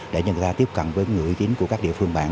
để người ta tiếp cận với người uy tín của các địa phương bạn